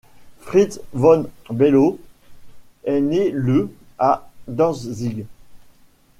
Fritz von Below est né le à Dantzig.